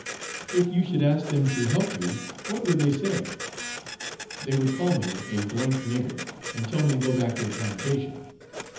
"'If you should ask them to help you what would they say?' "'They would call me a nigger, and tell me to go back to the plantation.'